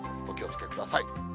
お気をつけください。